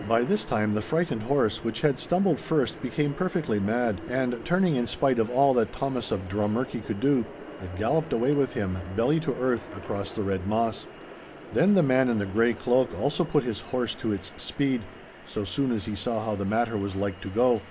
By this time the frightened horse which had stumbled first became perfectly mad, and turning in spite of all that Thomas of Drummurchie could do, it galloped away with him, belly to earth, across the Red Moss. Then the man in the grey cloak also put his horse to its speed, so soon as he saw how the matter was like to go.